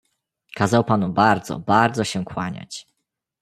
"Kazał panu bardzo, bardzo się kłaniać."